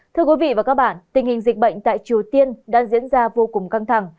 thưa quý vị và các bạn tình hình dịch bệnh tại triều tiên đã diễn ra vô cùng căng thẳng